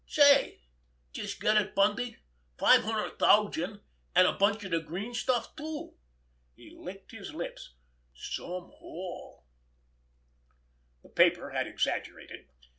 Say, d'youse get it, Bundy? Five hundred thousand—an' a bunch of de green stuff, too!" He licked his lips. "Some haul!" The paper had exaggerated.